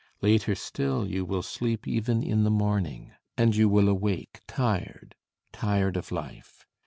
Later still you will sleep even in the morning; and you will awake tired, tired of life.